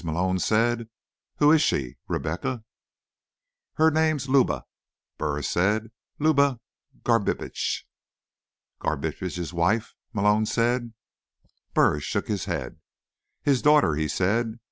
Malone said. "Who is she? Rebecca?" "Her name's Luba," Burris said. "Luba Garbitsch." "Garbitsch's wife?" Malone said. Burris shook his head. "His daughter," he said.